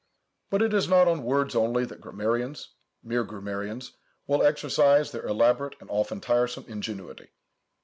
But it is not on words only that grammarians, mere grammarians, will exercise their elaborate and often tiresome ingenuity.